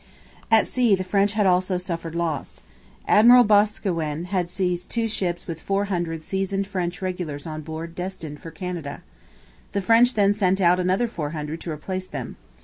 At sea the French had also suffered loss. Admiral Boscawen had seized two ships with four hundred seasoned French regulars on board destined for Canada. The French then sent out another four hundred to replace them.